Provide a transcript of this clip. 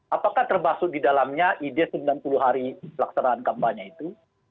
apakah termasuk di dalamnya ide sembilan puluh hari pelaksanaan kampanye itu